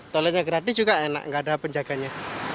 tolenya gratis juga enak gak ada penjaganya